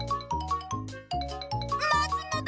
まつのだ！